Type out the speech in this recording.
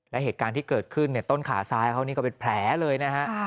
และเหตุการณ์ที่เกิดขึ้นต้นขาซ้ายเขานี่ก็เป็นแผลเลยนะฮะ